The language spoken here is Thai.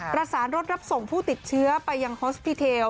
ประสานรถรับส่งผู้ติดเชื้อไปยังฮอสพิเทล